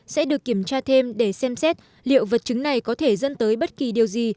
sẽ được kiểm tra thêm để xem xét liệu vật chứng này có thể dẫn tới bất kỳ điều gì